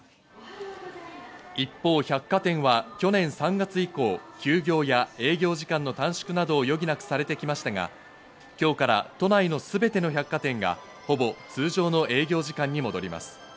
一方、百貨店は去年３月以降、休業や営業時間の短縮などを余儀なくされてきましたが、今日から都内のすべての百貨店がほぼ通常の営業時間に戻ります。